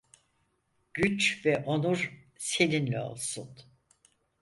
Güç ve onur seninle olsun.